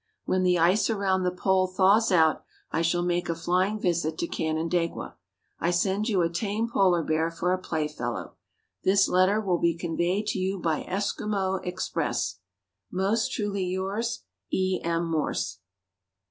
When the ice around the pole thaws out I shall make a flying visit to Canandaigua. I send you a tame polar bear for a playfellow. This letter will be conveyed to you by Esquimaux express. Most truly yours, E. M. Morse."